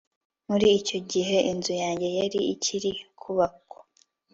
Muri icyo gihe inzu yanjye yari ikiri kubakwa